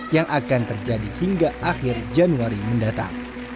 yang akan terjadi hingga akhir januari mendatang